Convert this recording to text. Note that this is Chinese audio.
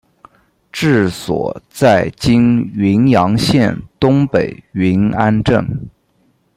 治所在今云阳县东北云安镇。